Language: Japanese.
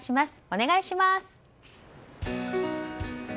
お願いします。